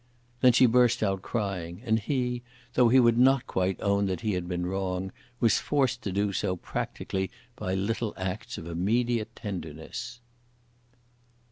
Then she burst out crying; and he, though he would not quite own that he had been wrong, was forced to do so practically by little acts of immediate tenderness.